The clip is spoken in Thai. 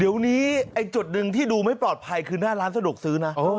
เดี๋ยวนี้ไอ้จุดหนึ่งที่ดูไม่ปลอดภัยคือหน้าร้านสะดวกซื้อนะ